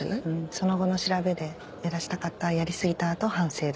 その後の調べで目立ちたかったやり過ぎたと反省だ。